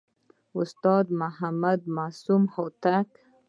استاد محمد معصوم هوتک